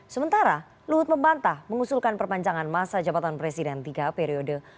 sementara luhut membantah mengusulkan perpanjangan masa jabatan presiden tiga periode